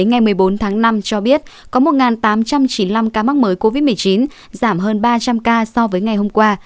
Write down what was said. ngày một mươi bốn tháng năm cho biết có một tám trăm chín mươi năm ca mắc mới covid một mươi chín giảm hơn ba trăm linh ca so với ngày hôm qua